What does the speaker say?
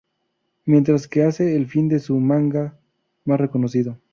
Mientras que hace el fin de su Manga más reconocido.